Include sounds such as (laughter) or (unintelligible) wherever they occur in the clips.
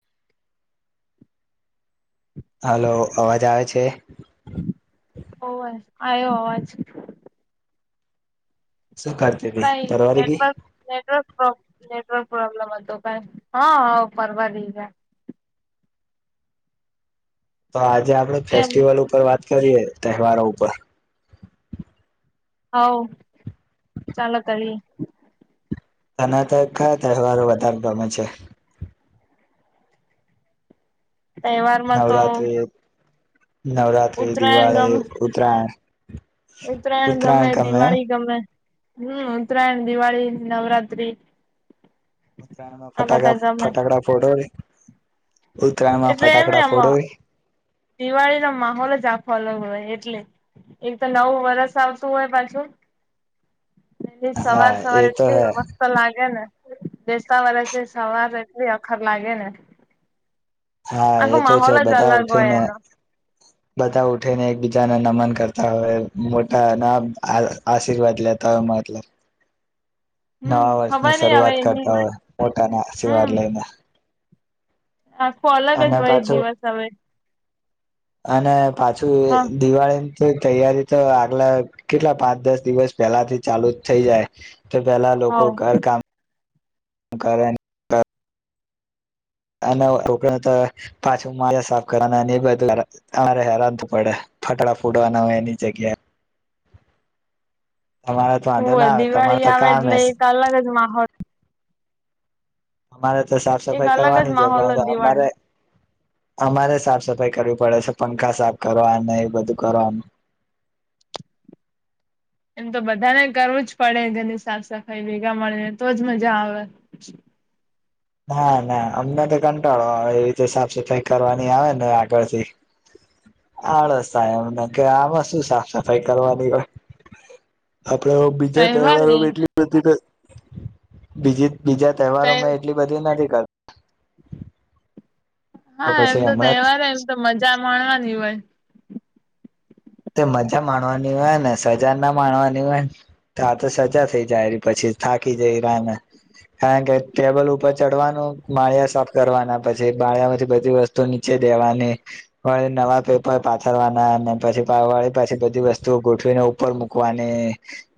(inaudible) હાલો અવાજ આવે છે? આયો અવાજ. શું કરતી ક હતી પરવારી ગઈ નેટવર્ક નેટવર્ક નેટવર્ક પ્રોબ્લેમ હતો કઈ, હા ફરવા દઈ જાય. તો આજે આપણે કેમ ફેસ્ટિવલ ઉપર વાત કરીએ તહેવારો ઉપર. હ ચાલ કરીએ. આનાત કયા તહેવારો વધાર ગમે છે? તહેવાર માં તો નવરાત્ર્રી ઉત્તરાયણ ગમે દિવાળી ઉત્તરાયણ. ઉત્તરાયણ ગમે દિવાળી ગમે. હમ ઉત્તરાયણ દિવાળી નવરાત્ર્રી. ઉતરાણ ફટા ફટાકડા ફટો એટલે એમને આમ ફોડો દિવાળી ન માહોલ જ ફોલો હોય એટલે, એક તો નવું વરષ આવતું હોય પાછું. એ હા સવાર સવાર એ તો એટલી હે મસ્ત લાગે ને. દસ્તા વર સવાર એટલી અખર લાગે ને. હા આખો એ તો છે માહોલ જ બધ અલગ હોય ઉઠીને એનો બતા ઉઠીને એક બીજા જાને નમન કરતા હોય મોટા ના આશીર્વાદ લેતા હોય મતલબ. (inaudible) હમ નવા વર્ષની ખબર નઈ હવે શરૂઆત એની કરતા હોય પોતાના આશીર્વાદ હમ. લઈને આખું અલગ જ અને હોય એક પાછું દિવસ હવે. અને પાછું હા દિવાળી તો તૈયારી તો આગલા કેટલા પાંચ દસ દિવસ પહેલાથી ચાલુ જ થઇ જાય. તે પેલા લોકો હોવ ઘર કામ કરે. અને લોકોને તો પાછું માજા સાફ કરવાના અને એ બધું અમારે હેરાનું પડે. ફટડા ફોડવાના હોય એની જગ્યાએ. તમારે તો હો વાંધો ના આવે તમારે દિવાળી તો આવે કામ એટલે હશે એક અલગ જ માહોલ. અમારે તો સાફ એક સફાઈ અલગ જ કરવાની છે માહોલ જ અમારે દિવાળી અમારે સાફ સફાઈ કરવી પડે છે પંખા સાફ કરવા અને એ બધું કરવાનું. (inaudible) એમ તો બધાને કરવું જ પડે જેની સાફ સફાઈ ભેગા મળીને તોજ મજા આવે. (inaudible) ના ના અમને તો કંટાળો આવે એ રીતે સાફ સફાઈ કરવાની આવે ને આગળથી. આળસ થાય એમ કે આમાં શું સાફ સફાઈ કરવાની હોય. આપડ બીજા તહેવાર તહેવારો ને એટલી બધી બીજી બીજા તહે તહેવારોમાં એટલી બધી નથી કરતા. હા એમ પછી તો હમણાં જ તહેવાર એમ તો મજા માણવાની હોય. તે મજા માણવાની હોય ને સજા ના માણવાની હોય ને, તો આ તો સજા થઈ જાય પછી. થાકી જાયરાને. હે ગર ટેબલ ઉપર ચડવાનું માળિયા સાફ કરવાના પછી માળિયામાંથી બધી વસ્તુ નીચે દેવાની અને નવા પેપર પાથરવાના ને પછી બારવાળી પાછી બધી વસ્તુઓ ગોઠવીને ઉપર મૂકવાની,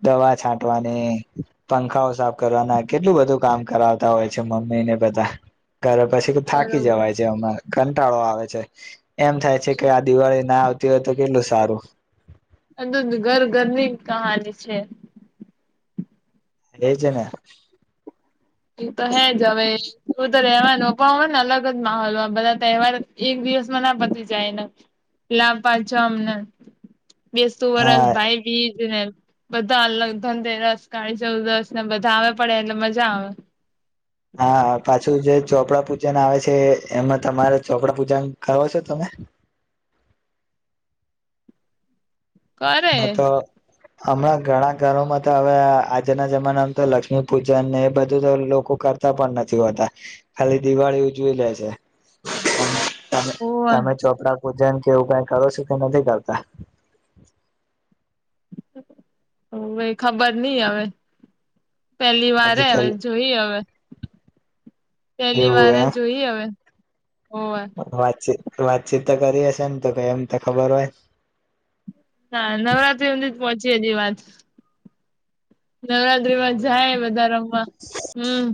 દવા છાંટવાની પંખાઓ સાફ કરવાના કેટલું બધું કામ કરાવતા હોય છે મમ્મીને બધા ઘરે પછી થાકી બરોબર જવાય છે. એમાં કંટાળો આવે છે એમ થાય છે કે આ દિવાળી ના આવ તી હોય તો કેટલું સારું. અંદદ ઘર-ઘરની કહાની છે. એજ ને. એ તો હે જ હવે એવુ તો રેવાનું પણ અલગ જ માહોલ હોય. બધા તહેવાર એક દિવસ માં ના પતી જાયન. લાભ પાંચમને બેસતું વરસ, હા ભાઈબીજ ને બધા અલગ ધનતેરસ, કાળીચૌદસને બધા આવે પણ એ મજા આવે. હા, પા છુ જે ચોપડા પૂજન આવે છે, એમાં તમારે ચોપડા પૂજન કરો છો તમે? (inaudible) કરે. ના તો હમણાં ઘણા ઘરોમાં તો હવે આજના જમાનામાં તો લક્ષ્મી પૂજનને એ બધું તો લોકો કરતા તા પણ નથી હોતા. ખાલી દિવાળી ઉજવી લે છે. (inaudible) તમે, તમે ચોપડા પૂજન કે એવું કઈ કરો છો કે નથી કરતા? અ ભઈ ખબર નઈ હવે. પહેલી આજ વારે હવે ખાલી જોઈએ હવે. પેલી એવું વારે એમ જોઈએ હવે. હોવે વાતચીત, વાતચીત તો કરી હશે ને તો કે એમ તો ખબર હોય. ના, નવરાત્રી હુધી જ પહોંચી એ દી વાત. નવરાત્રીમાં એવું એમ. જાય બધા રમવા. હમ.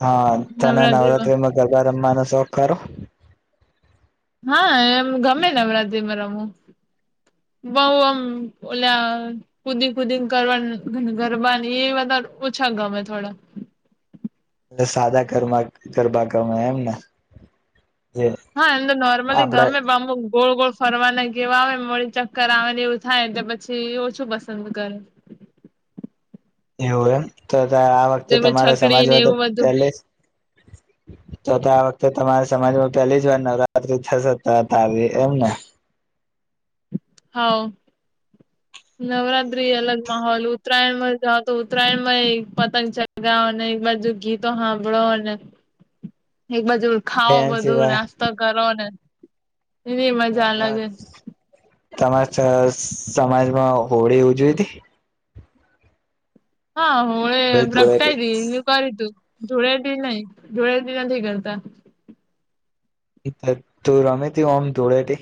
હન, તને નવરાત્રીમાં ગરબા રમવાનો શોખ ખરો? હા, એમ ગમે નવરાત્રીમાં રમવુ. બઉ આમ ઓલા કુદી-કુદીન કરવાન ગરબાન એ બધા ઓછા ગામ થોડા. એટલે સાદા કરવા ગરબા ગમે એમને? હા, એમ તો નોમલી ગમે પણ આમ બઉ ગોળ-ગોળ ફરવાના કે એવા આવે, વડી ચક્કર આવે ને એવું થાય એટલે પછી ઓછું પસંદ કરુ. (inaudible) એવું એમ. તો તો આ વખતે તેમ તમારે છકડી ને સમાજમાં તો એવું બધું પહેલે (inaudible) તો તો આ વખતે તમારે સમાજમાં પેલી જ વાર નવરાત્રી થશે. તો તો આવી એમને. હા. નવરાત્રી અલગ માહોલ. ઉત્તરાયણમાં જાઓ તો ઉત્તરાયણમાં એક પતંગ ચગાવ અને જો ગીતો સાંભળો ન. એક બા ખાઓ એના બધું સિવાય નાસ્તો કરો ન એની મજા અલગ. તમાર સ સમાજમાં હોળી ઉજવી તી? હા, હોળી ધૂળેટી પ્રગટાયતી એવુ કર્યુ તું. ધુળેટી નઈ ધુળેટી નથી કરતા. (unintelligible) તો રમે તે આમ ધુળેટી?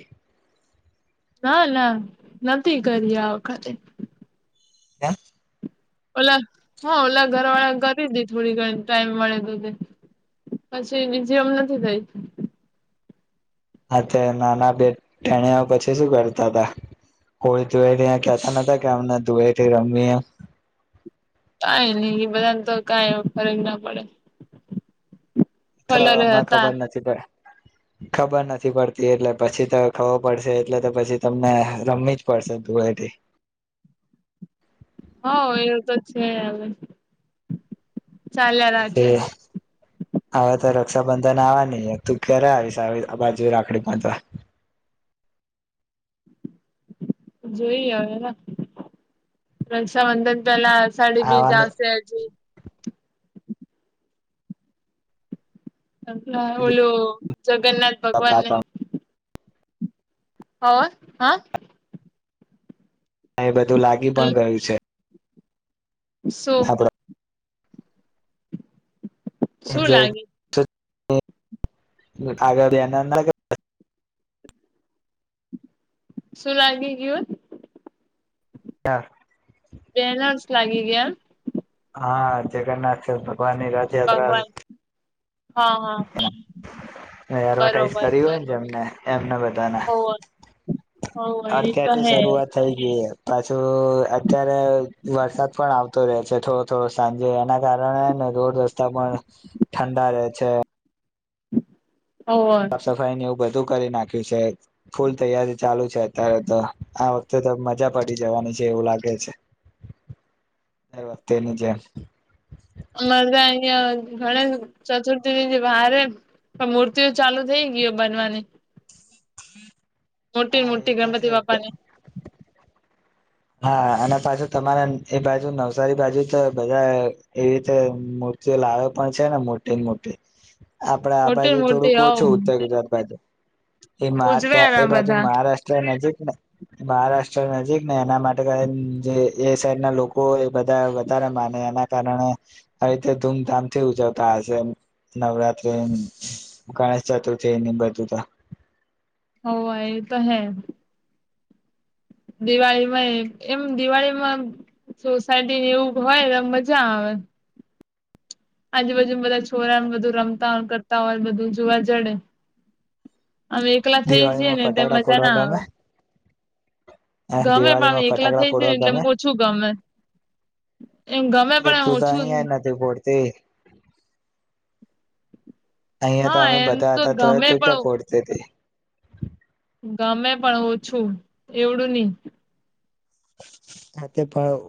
ના, ના નથી કરી આ વખતે. કેમ? ઓલા, હન ઓલા ઘરવાળા કરી તી થોડી ઘણી ટાઈમ મળે તો પછી બીજી એમ નથી કરી. અત્યારે નાના બે ટેણીયાઓ પછી શું કરતા તા? કોઈ ધુ થી કેતા નતા કે અમને ધુવે થી રમીએ? નઈ નઈ એ બધાને તો કઈ ફરક ના પડે. કલર અને હતા ખબર નથી ભાઈ (inaudible) ખબર નથી પડતી એટલે પછી તો ખબર પડશે એટલે તો પછી તમને રમી જ પડશે ધૂળેથી. હ એવું તો છે હવે. ચાલ્યા રાખે પછી હવે તાર રક્ષાબંધન આવવા ન તું ક્યારે આવીશ આવી બાજુ રાખડી બાંધવા? જોઈ હવેે રક્ષાબંધન પેલા સાડી બીજ આવવાનું આવશે હજી. ઓલું જગન્નાથ ભગવાનને હોર હા. હા એ બધું લાગી હલો પણ ગયું છે. શું? શું આપડ જે લાગી? (unintelligible) શું લાગે રુ? (inaudible) બેલાન્સ લાગી ગયા? હા જગન્નાથ ભગવાન ની રથયાત્રા ભગવાન હા હા એડવર્ટાઈઝ બરોબર કર હોય જે એમને એમને બધાને. હોવે હોવે એ તો અત્યારથી હે શરૂઆત થઈ ગઈ પાછું અત્યારે વરસાદ પણ આવતો રહે થોડો થોડો સાંજે એના કારણેને રોડ રસ્તા પણ ઠંડા રહે છે. હોવે સાફ સફાઈ એવું બધું કરી નાખ્યું છે ફૂલ તૈયારી ચાલુ છે અત્યારે તો આ વખતે તો મજા પડી જવાની છે. એવું લાગે છે. (inaudible) દર વખતેની જેમ. (inaudible) ચતુર્થી વાર પણ મૂર્તિઓ ચાલુ થઈ ગયો બનવાની. (unintelligible) મોટી હા એ મોટી તો છે ગણપતિ બાપ્પાની. હા અને પાછું તમારે એ બાજુ નવસારી બાજુ તો બધા એવી રીતે લાવે પણ છે ને મોટે મોટી. આપડે આ મોટી બાજુ મોટી થોડુંક ઓ હોવ છું ઉત્તર ગુજરાત બાજુ. એ ઉજવે ત્યાં એ એના બાજુ બધા મહારાષ્ટ્ર નજીકને મહારાષ્ટ્ર નજીક એના માટે એ સાઈડ ના લોકો એ બધા વધારે માને એના કારણે ધૂમધામથી ઉજવતા હશે. નવરાત્રી, ગણેશ ચતુર્થી બધું તો? (unintelligible) ઓ તો હૈ દિવાળીમાં એમ દિવાળીમાં સોસાયટી ની એવું હોય એ મજા આવે આજુબાજુ બધા છોરા ને બધું રમતા હોય કરતા હોય ને બધું જોવા જડે આમ એકલા થઈ જીએ દિવાળીમાં ને એટલે ફટાકડા મજા ફોડવા ના ગમે આવે ગમે પણમ દિવાળીમાં એકલા ફટાકડા થઇ જ ને ફોડવા એટલે ગમે ઓછું ગમે-' એમ ગમે એ પણ એમ તું તો ઓછું અહિયાં નથી ફોડતી અહિયાં તો હા અમે એમ બધા હતા તો ગમે ત પણ ક્યાં ફોડતી ગમે પણ ઓછું એવડું નહ હા તે પણ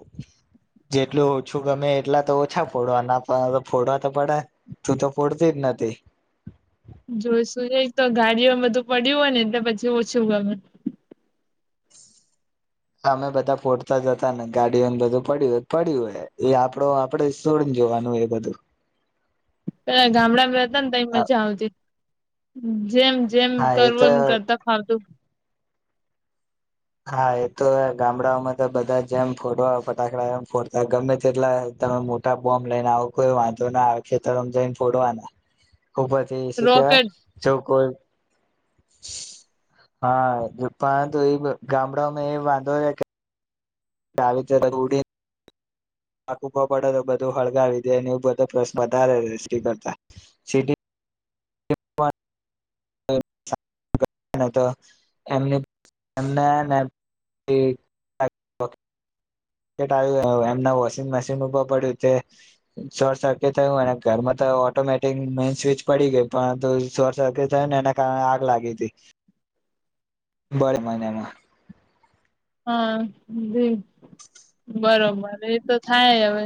જેટલું ઓછું ગમે એટલા તો ઓછા ફોડવા ના ફોડવા તો પડે તું તો ફોડતી એના તે (unintelligible) જોઈશું તો ગાડીઓમાં બધું પડ્યું હોય ને એટલે પછી ઓછું ગમે અમે બધા ફોટતા જતા ને ગાડીઓને બધું પડ્યું હોય પડ્યું હોય એ આપડો આપડેોડ જોવાનું એ બધું પ ગામડામાં બેતા ને તો મજા આવતી હ જેમ જેમ હા એ તો કરવું એમ કરતા ખાવતું હા એ તો ગામડાઓમાં તો બધા જેમ ફોડવા ફટાકડા એમ ફોડતા ગમે તેટલા ત મોટા બોમ્બ લઈને આવો કોઈ વાંધો ના આવે ખેતર જઈને ફોડવાના (unintelligible) ખૂબધી શું કેવાય રોકેટ જો કોઈ હા જોપા તો એ ગામડામાં એ વાંધો છે કે ચાવ જડી આકૂભ પડે તો બધું હળગાવી દે એવ બધશ વધારે કરતા પણર તો એમ એમનાને ઓકે ટ આવ એમના વોશિંગ મશીન ઉભર પડ્યું તે શોર્ટ સર્કિટ થયું અને ઘરમાં ઓટોમેટિક મે સ્વિચ પડી ગઈ પરંતુ શોર્ટ સર્ક્યટ થયો ને એના કારણે આગ લાગી હતી (unintelligible) બડ મહિનામાં હા બ (unintelligible) બરોબર એ તો થાય હવે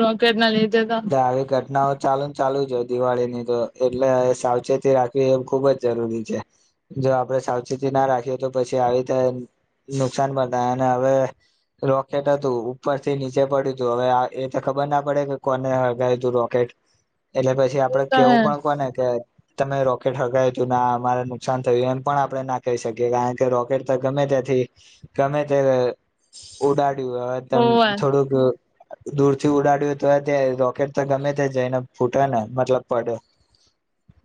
રોકેટ ના લી એ આવી ઘટનાઓ ચાલુ ને ચાલુ જો દિવાળી ની તો એટલે સાવચેતી રાખવી એ ખુબ જ જરૂરી છે જો આપડણે સાવચેતી ના રાખીએ તો પછી આવી રીતે નુકસાન પણ થાય અને હવે રોકેટ હતું ઉપર થી નીચે પડ્યું હતું હવે એ તો ખબર ના પડે કે કોને હગ તું રોકેટ એટલે પછી એ આપડે તો હે કેવું પણ કોને કે તમે રોકેટ હગાવી તું ના અમારે નુકસાન થયું એમ પણ આપણે ના કહી શકીએ કારણ કે રોકેટ તો ગમે ત્યાં ગમે તે ઉડા હવે હોવે થોડુંક દૂર થી ઉડાડ્યું તો રોકેટ તો ગમે તે જ એને ફૂટે ને મતલબ પડ્યો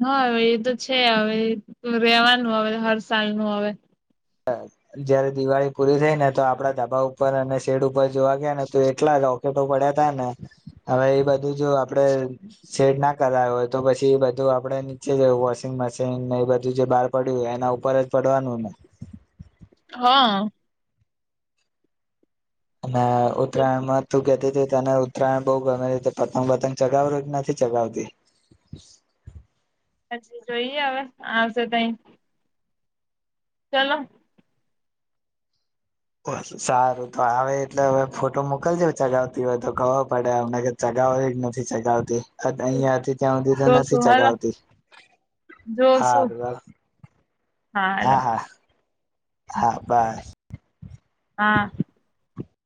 હા એ તો છે હવે રેવાનું હવે હર સાલનું હવે જયારે દિવાળી પૂરી થઈ ને તો આપડા ધબા ઉપર અને શેડ ઉપર ર જોવા ગયા ને તો એટલા રોકેટો પડ્યા તા ને હવે એ બધું જો આપડે શેડ ના કરાય હોય તો પછી એ બધું આપડે નીચે જ વોશિંગ મશીન એ બધું જે બહાર પડ્યું હોય એને ઉપર જ પડવાનું ને હા અને ઉત્તરાયણમાં તું કે તને ઉત્તરાયણ બહુ ગમે રીતે પતંગ પતંગ ચગાવ કે નથી ચગાવતી પછી જોઈએ હવે આવશે તઈ ચાલો બ સારું તો આવે એટલે હવે ફોટો મોકલજ ચગાવતી હોય તો ખો પડેમ ચગ એ જ નથી ચગાવતી અહંયાથી ત્યાં સુધી તો નથી જોશું હાલો ચગાવતી હા જોશું વા હા હા હા બાય હા